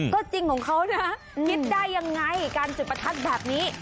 ก็จริงของเขานะคิดได้ยังไงการจุดประทัดแบบนี้